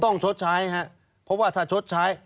ชดใช้ครับเพราะว่าถ้าชดใช้